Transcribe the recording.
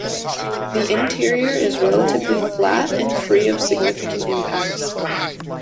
The interior is relatively flat and free of significant impacts.